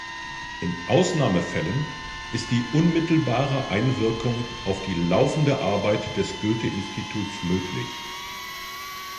In Ausnahmefällen ist die unmittelbare Einwirkung auf die laufende Arbeit des Goethe-Instituts möglich.